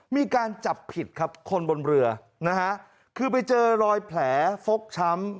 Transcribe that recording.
มีการจับผิดครับคนบนเรือนะฮะคือไปเจอรอยแผลฟกช้ำ